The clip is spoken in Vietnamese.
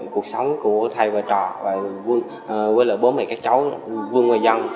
cuộc sống của thầy và trọ với lại bố mẹ các cháu quân và dân